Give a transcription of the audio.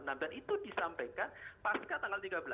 dan itu disampaikan pasca tanggal tiga belas